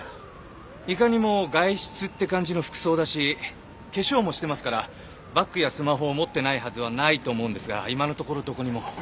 いかにも外出って感じの服装だし化粧もしてますからバッグやスマホを持ってないはずはないと思うんですが今のところどこにも。